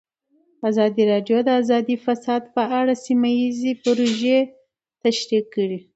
ازادي راډیو د اداري فساد په اړه سیمه ییزې پروژې تشریح کړې.